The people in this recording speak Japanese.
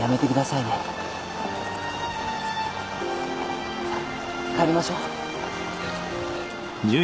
さあ帰りましょう。